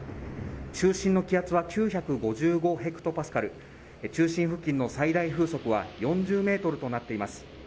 中心の気圧は９５５ｈＰａ中心付近の最大風速は４０メートルとなっています